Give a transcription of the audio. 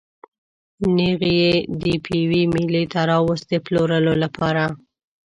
نېغ یې د پېوې مېلې ته راوست د پلورلو لپاره.